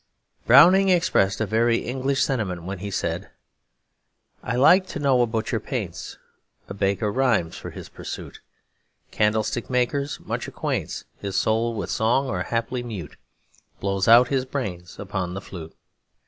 Browning expressed a very English sentiment when he said: I like to know a butcher paints, A baker rhymes for his pursuit, Candlestick maker much acquaints His soul with song, or haply mute Blows out his brains upon the flute.